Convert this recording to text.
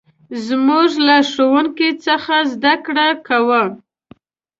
موږ له ښوونکي څخه زدهکړه کوو.